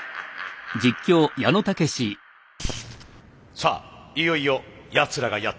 さあいよいよやつらがやって来る。